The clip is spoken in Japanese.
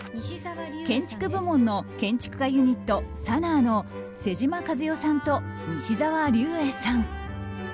建築部門の建築家ユニットＳＡＮＡＡの妹島和世さんと西沢立衛さん